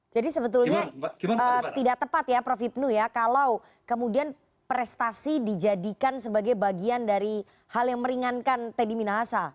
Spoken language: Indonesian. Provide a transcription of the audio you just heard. jadi sebetulnya tidak tepat ya prof ibnul ya kalau kemudian prestasi dijadikan sebagai bagian dari hal yang meringankan teddy minahasa